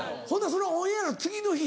そのオンエアの次の日